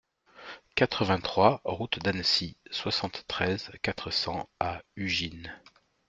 quatre-vingt-trois route d'Annecy, soixante-treize, quatre cents à Ugine